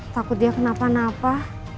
takut dia kenapa napa